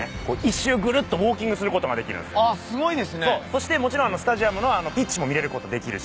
そしてもちろんスタジアムのピッチも見れることできるし。